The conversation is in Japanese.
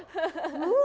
うわ。